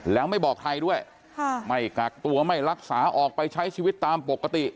แล้วไม่บอกใครด้วยไม่กักตัวไม่รักษาออกไปใช้ชีวิตตามปกติ